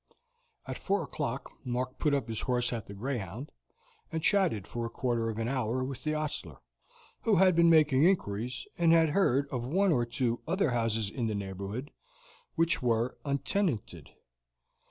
At four o'clock Mark put up his horse at the Greyhound, and chatted for a quarter of an hour with the ostler, who had been making inquiries, and had heard of one or two other houses in the neighborhood which were untenanted.